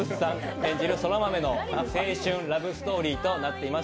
演じる空豆の青春ラブストーリーとなっています。